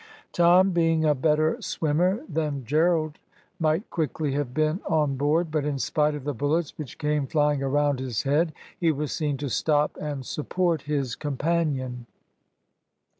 Tom being a better swimmer than Gerald might quickly have been on board, but in spite of the bullets which came flying around his head, he was seen to stop and support his companion.